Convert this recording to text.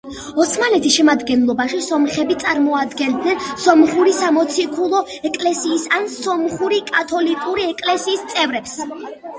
ოსმალეთის შემადგენლობაში სომხები წარმოადგენდნენ სომხური სამოციქულო ეკლესიის ან სომხური კათოლიკური ეკლესიის წევრებს.